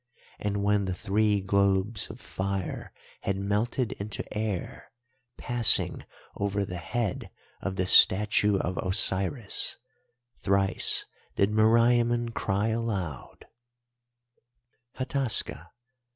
And when the three globes of fire had melted into air, passing over the head of the statue of Osiris, thrice did Meriamun cry aloud: "'_Hataska!